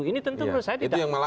ini tentu menurut saya tidak